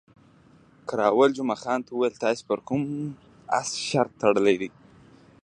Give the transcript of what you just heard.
کراول جمعه خان ته وویل، تاسې پر کوم اس شرط تړلی؟